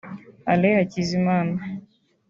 Allan Hakizimana